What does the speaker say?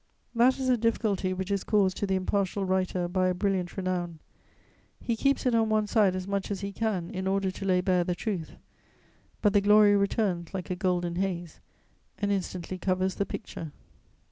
That is the difficulty which is caused to the impartial writer by a brilliant renown; he keeps it on one side as much as he can, in order to lay bare the truth; but the glory returns like a golden haze and instantly covers the picture.